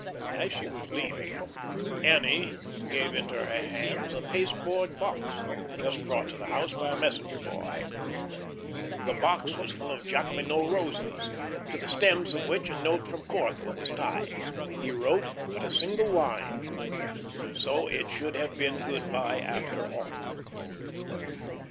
As she was leaving, Annie gave into her hands a pasteboard box, just brought to the house by a messenger boy. The box was full of Jacqueminot roses, to the stems of which a note from Corthell was tied. He wrote but a single line: "So it should have been 'good by' after all."